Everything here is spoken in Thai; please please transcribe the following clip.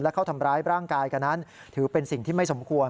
เข้าทำร้ายร่างกายกันนั้นถือเป็นสิ่งที่ไม่สมควร